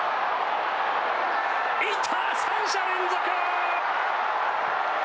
行った、３者連続。